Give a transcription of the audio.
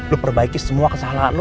lo perbaiki semua kesalahan lo